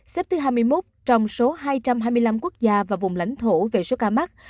xếp thứ hai mươi một trong số hai trăm hai mươi năm quốc gia và vùng lãnh thổ về số ca mắc